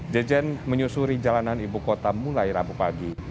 jejen menyusuri jalanan ibu kota mulai rabu pagi